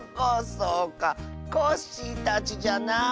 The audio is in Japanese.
そうかコッシーたちじゃな。